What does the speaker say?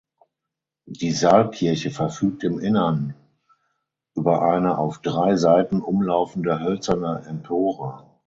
Die Saalkirche verfügt im Inneren über eine auf drei Seiten umlaufende hölzerne Empore.